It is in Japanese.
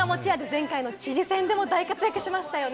前回のチリ戦でも大活躍しましたよね。